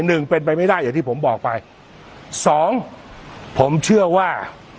หนึ่งเป็นไปไม่ได้อย่างที่ผมบอกไปสองผมเชื่อว่า